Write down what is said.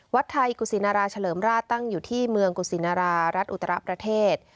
วัดไทยกุศินาราเฉลิมราชตั้งอยู่ที่เมืองกุศินารารัฐอุตระประเทศ